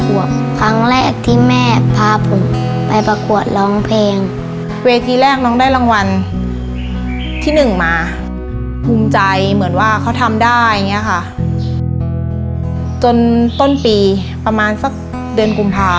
เวทีแรกน้องได้รางวัลที่๑มากลุ่มใจเหมือนว่าเขาทำได้จนต้นปีประมาณสักเดือนกลุ่มภาค่ะ